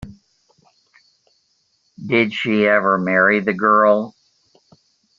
Did she ever marry the girl?